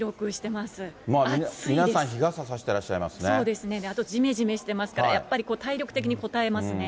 まあ、皆さん、そうですね、あとじめじめしてますから、やっぱりこう、体力的にこたえますね。